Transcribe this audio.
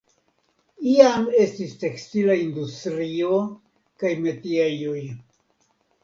Iam estis tekstila industrio kaj metiejoj.